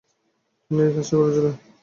তিনি এই কাজটি করেছিলেন।